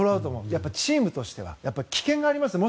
やっぱりチームとしては危険がありますから。